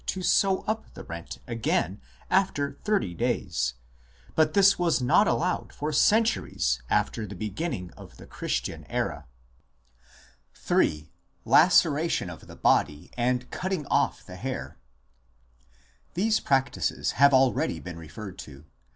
MOURNING AND BURIAL CUSTOMS 149 thirty days, but this was not allowed for centuries after the beginning of the Christian era. 1 III. LACERATION OF THE BODY AND CUTTING OFF THE HAIR These practices have already been referred to